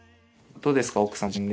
どうですか奥様。